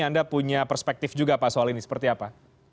anda punya perspektif juga pak soal ini seperti apa